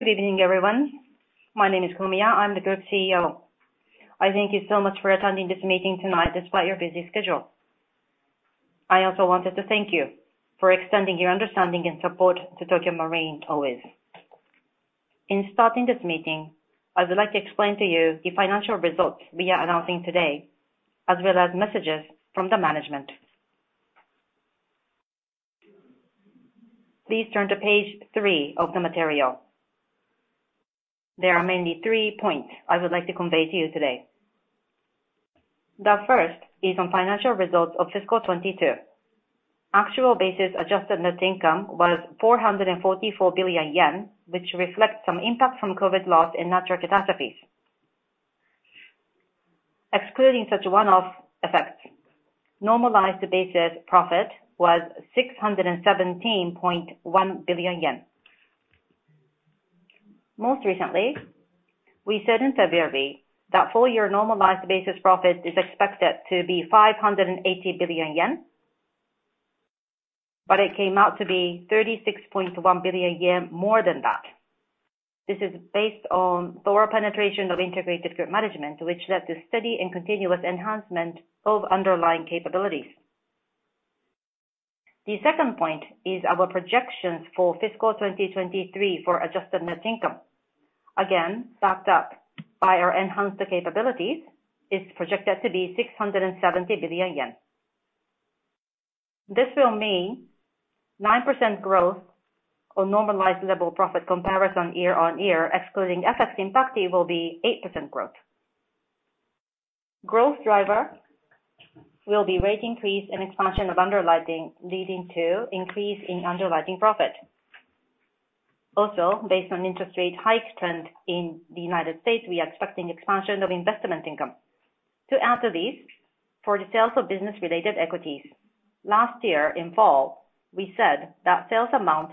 Good evening, everyone. My name is Komiya, I'm the Group CEO. I thank you so much for attending this meeting tonight despite your busy schedule. I also wanted to thank you for extending your understanding and support to Tokio Marine always. In starting this meeting, I would like to explain to you the financial results we are announcing today, as well as messages from the management. Please turn to page 3 of the material. There are mainly three points I would like to convey to you today. The first is on financial results of fiscal 2022. Actual basis adjusted net income was 444 billion yen, which reflects some impact from COVID loss and natural catastrophes. Excluding such one-off effects, normalized basis profit was 617.1 billion yen. Most recently, we said in February that full year normalized basis profit is expected to be 580 billion yen, but it came out to be 36.1 billion yen more than that. This is based on thorough penetration of Integrated Group Management, which led to steady and continuous enhancement of underlying capabilities. The second point is our projections for fiscal 2023 for adjusted net income. Again, backed up by our enhanced capabilities, it's projected to be 670 billion yen. This will mean 9% growth on normalized level profit comparison year-on-year, excluding FX impact, it will be 8% growth. Growth driver will be rate increase and expansion of underlying, leading to increase in underlying profit. Also, based on interest rate hike trend in the United States, we are expecting expansion of investment income. To add to this, for the sales of business-related equities, last year in fall, we said that sales amount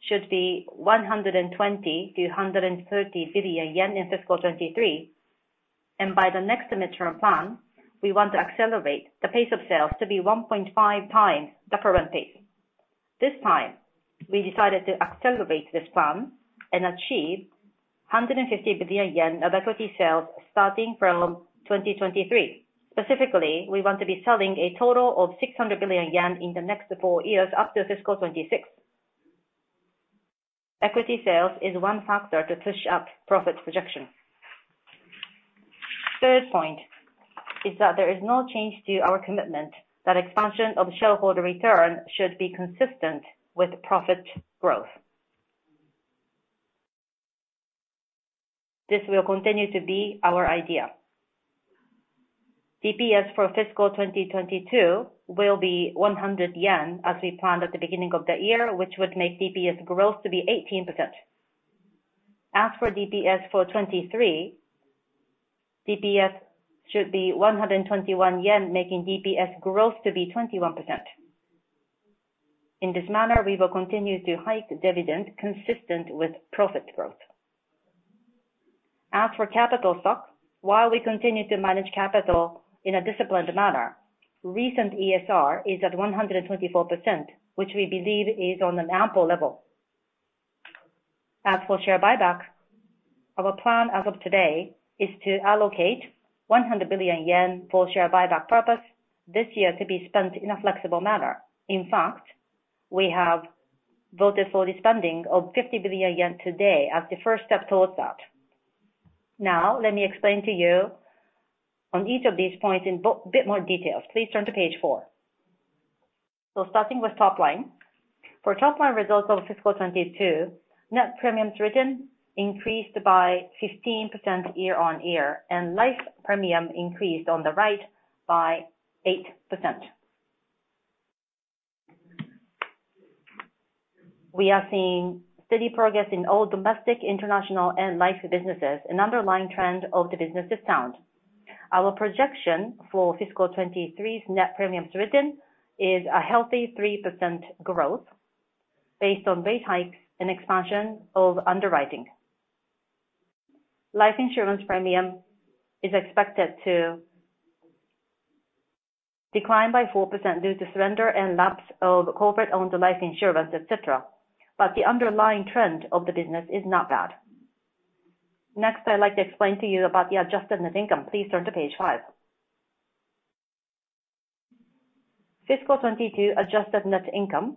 should be 120 billion-130 billion yen in fiscal 2023. By the next Mid-Term Plan, we want to accelerate the pace of sales to be 1.5 times the current pace. This time, we decided to accelerate this plan and achieve 150 billion yen of equity sales starting from 2023. Specifically, we want to be selling a total of 600 billion yen in the next four years up to fiscal 2026. Equity sales is one factor to push up profit projection. Third point is that there is no change to our commitment that expansion of shareholder return should be consistent with profit growth. This will continue to be our idea. DPS for fiscal 2022 will be 100 yen as we planned at the beginning of the year, which would make DPS growth to be 18%. As for DPS for 2023, DPS should be 121 yen, making DPS growth to be 21%. In this manner, we will continue to hike dividend consistent with profit growth. As for capital stock, while we continue to manage capital in a disciplined manner, recent ESR is at 124%, which we believe is on an ample level. As for share buyback, our plan as of today is to allocate 100 billion yen for share buyback purpose this year to be spent in a flexible manner. In fact, we have voted for the spending of 50 billion yen today as the first step towards that. Let me explain to you on each of these points in bit more details. Please turn to page 4. Starting with top line. For top line results of fiscal 2022, net premiums written increased by 15% year-on-year, and life premium increased on the right by 8%. We are seeing steady progress in all domestic, international, and life businesses, an underlying trend of the business is found. Our projection for fiscal 2023 net premiums written is a healthy 3% growth based on rate hikes and expansion of underwriting. Life insurance premium is expected to decline by 4% due to surrender and lapse of corporate-owned life insurance, et cetera, the underlying trend of the business is not bad. I'd like to explain to you about the adjusted net income. Please turn to page 5. Fiscal 2022 adjusted net income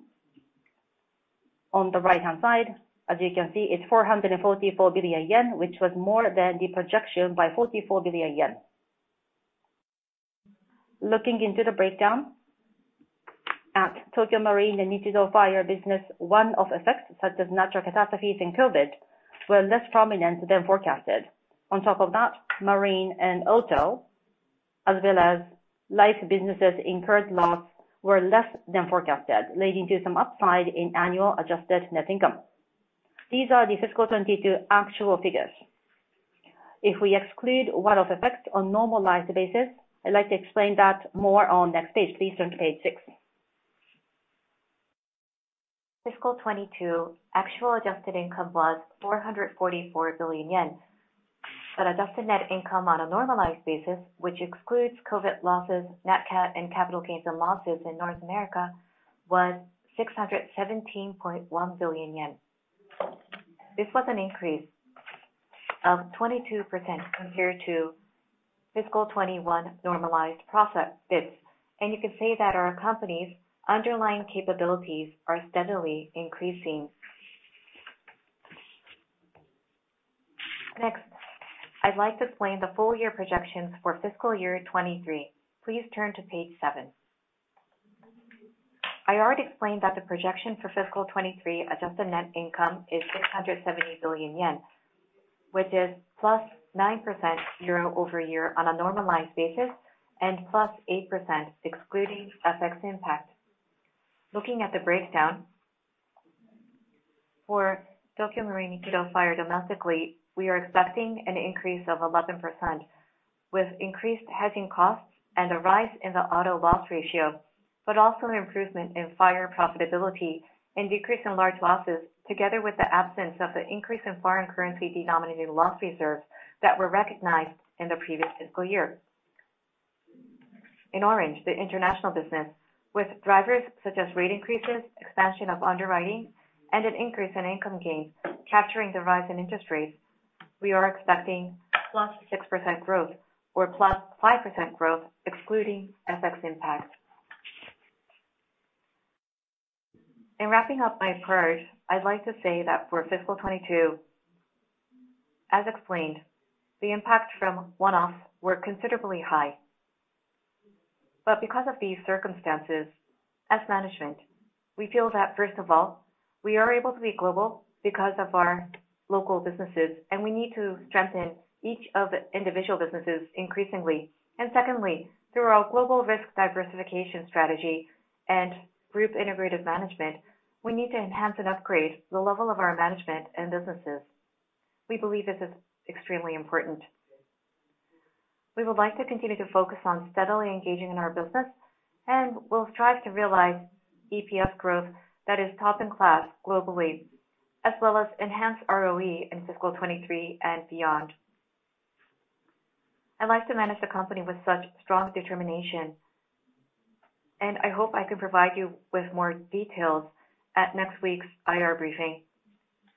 on the right-hand side, as you can see, it's 444 billion yen, which was more than the projection by 44 billion yen. Looking into the breakdown at Tokio Marine & Nichido Fire business, one-off effects such as natural catastrophes and COVID were less prominent than forecasted. On top of that, marine and auto, as well as life businesses incurred loss were less than forecasted, leading to some upside in annual adjusted net income. These are the Fiscal 2022 actual figures. If we exclude one-off effects on normalized basis, I'd like to explain that more on next page. Please turn to page 6. Fiscal 2022 actual adjusted income was 444 billion yen. adjusted net income on a normalized basis, which excludes COVID losses, Nat Cat, and capital gains and losses in North America, was 617.1 billion yen. This was an increase of 22% compared to fiscal 2021 normalized profit bits. You can say that our company's underlying capabilities are steadily increasing. Next, I'd like to explain the full year projections for fiscal year 2023. Please turn to page 7. I already explained that the projection for fiscal 2023 adjusted net income is 670 billion yen, which is +9% year-over-year on a normalized basis and +8% excluding FX impact. Looking at the breakdown for Tokio Marine & Nichido Fire domestically, we are expecting an increase of 11% with increased hedging costs and a rise in the auto loss ratio, but also an improvement in fire profitability and decrease in large losses, together with the absence of the increase in foreign currency denominated loss reserves that were recognized in the previous fiscal year. In orange, the international business with drivers such as rate increases, expansion of underwriting, and an increase in income gains capturing the rise in industries, we are expecting +6% growth or +5% growth excluding FX impact. In wrapping up my approach, I'd like to say that for fiscal 2022, as explained, the impact from one-off were considerably high. Because of these circumstances, as management, we feel that first of all, we are able to be global because of our local businesses, and we need to strengthen each of the individual businesses increasingly. Secondly, through our Global risk diversification strategy and Integrated Group Management, we need to enhance and upgrade the level of our management and businesses. We believe this is extremely important. We would like to continue to focus on steadily engaging in our business, and we'll strive to realize EPS growth that is top-in-class globally, as well as enhance ROE in fiscal 23 and beyond. I'd like to manage the company with such strong determination, and I hope I can provide you with more details at next week's IR briefing.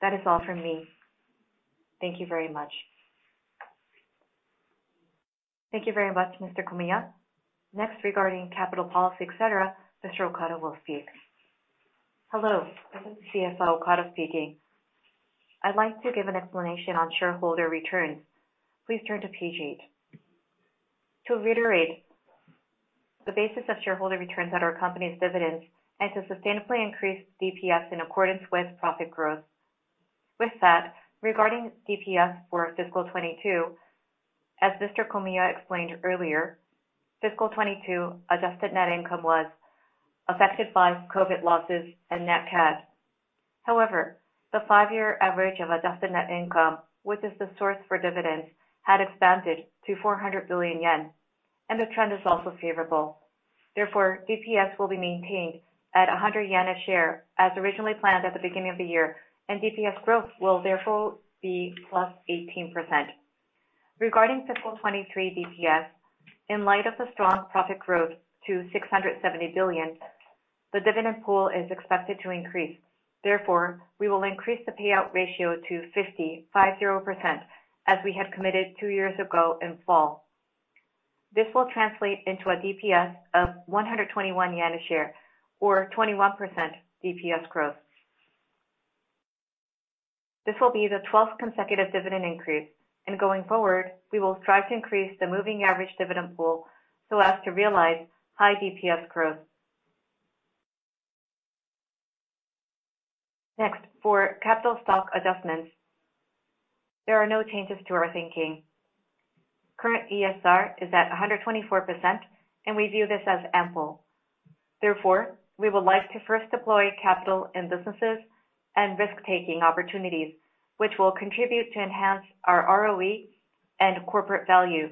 That is all from me. Thank you very much. Thank you very much, Mr. Komiya. Next, regarding capital policy, et cetera, Mr. Okada will speak. Hello, this is CSO Okada speaking. I'd like to give an explanation on shareholder returns. Please turn to page 8. To reiterate, the basis of shareholder returns on our company's dividends is to sustainably increase DPS in accordance with profit growth. With that, regarding DPS for fiscal 2022, as Mr. Komiya explained earlier, fiscal 2022 adjusted net income was affected by COVID losses and Nat Cat. The five-year average of adjusted net income, which is the source for dividends, had expanded to 400 billion yen, and the trend is also favorable. DPS will be maintained at 100 yen a share as originally planned at the beginning of the year, and DPS growth will therefore be +18%. Regarding fiscal 2023 DPS, in light of the strong profit growth to 670 billion, the dividend pool is expected to increase. Therefore, we will increase the payout ratio to 50%, as we had committed two years ago in fall. This will translate into a DPS of 121 yen a share or 21% DPS growth. This will be the twelfth consecutive dividend increase. Going forward, we will strive to increase the moving average dividend pool so as to realize high DPS growth. Next, for capital stock adjustments, there are no changes to our thinking. Current ESR is at 124%, and we view this as ample. Therefore, we would like to first deploy capital in businesses and risk-taking opportunities, which will contribute to enhance our ROE and corporate value.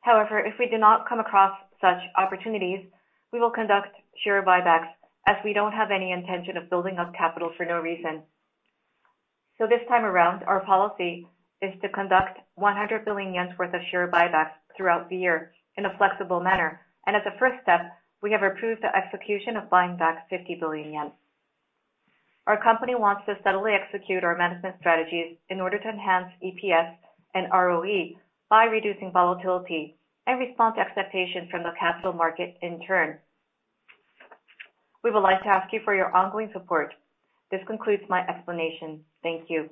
However, if we do not come across such opportunities, we will conduct share buybacks as we don't have any intention of building up capital for no reason. This time around, our policy is to conduct 100 billion worth of share buybacks throughout the year in a flexible manner. As a first step, we have approved the execution of buying back 50 billion yen. Our company wants to steadily execute our management strategies in order to enhance EPS and ROE by reducing volatility and respond to expectations from the capital market in turn. We would like to ask you for your ongoing support. This concludes my explanation. Thank you.